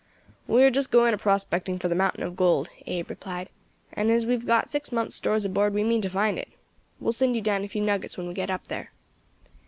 "We are just going a prospecting for the mountain of gold," Abe replied, "and as we have got six months' stores aboard we mean to find it. We will send you down a few nuggets when we get up there."